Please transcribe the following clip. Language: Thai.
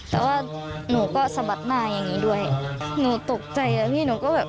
แต่ว่าหนูก็สะบัดหน้าอย่างนี้ด้วยหนูตกใจแล้วพี่หนูก็แบบ